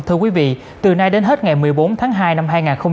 thưa quý vị từ nay đến hết ngày một mươi bốn tháng hai năm hai nghìn hai mươi bốn